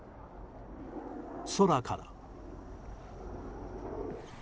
空から。